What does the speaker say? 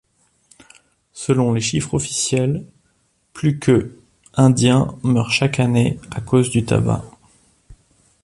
Selon les chiffres officiels, plus que Indiens meurent chaque année à cause du tabac.